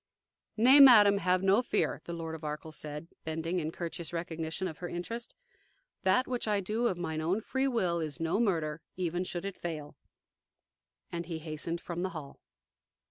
"Nay, madam, have no fear," the Lord of Arkell said, bending in courteous recognition of her interest; "that which I do of mine own free will is no murder, even should it fail." And he hastened from the hall.